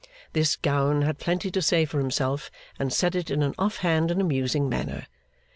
This Gowan had plenty to say for himself, and said it in an off hand and amusing manner.